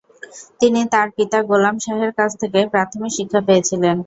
তিনি তাঁর পিতা গোলাম শাহের কাছ থেকে প্রাথমিক শিক্ষা পেয়েছিলেন।